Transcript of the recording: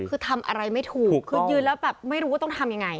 คือทำอะไรไม่ถูกคือยืนแล้วแบบไม่รู้ว่าต้องทำยังไง